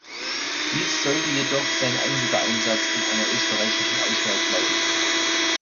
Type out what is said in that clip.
Dies sollte jedoch sein einziger Einsatz in einer österreichischen Auswahl bleiben.